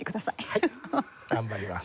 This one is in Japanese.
はい頑張ります。